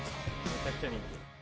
めちゃくちゃ人気。